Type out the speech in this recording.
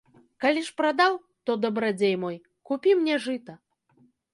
Калі ж прадаў, то, дабрадзей мой, купі мне жыта.